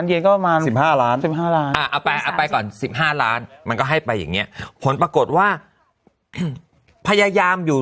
เอาไปไปก่อน๑๕ล้านมันก็ให้ไปอย่างเนี่ยผลปรากฏว่าพยายามอยู่